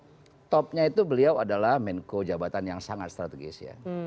karena topnya itu beliau adalah menko jabatan yang sangat strategis ya